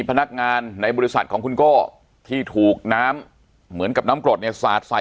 พนักงานในบริษัทของคุณโก้ที่ถูกน้ำเหมือนกับน้ำกรดเนี่ยสาดใส่